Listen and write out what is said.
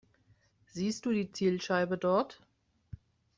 Siehst du die Zielscheibe dort?